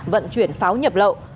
vận chuyển pháo nhập lậu